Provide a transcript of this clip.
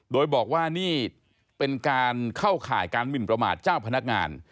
โดยบอกว่านี่เป็นการเข้าข่ายการหมินประมาทเจ้าพนักงาน